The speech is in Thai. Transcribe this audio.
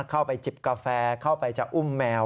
เข้าไปจิบกาแฟเข้าไปจะอุ้มแมว